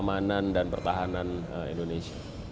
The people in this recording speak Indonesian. keamanan dan pertahanan indonesia